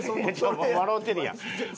お前笑うてるやん。